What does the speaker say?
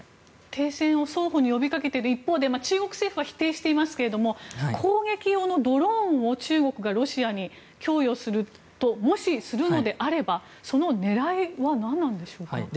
停戦を双方に呼び掛けている一方で中国政府は否定していますけれども攻撃用のドローンを中国がロシアにもし供与するのであればその狙いは何なんでしょうか。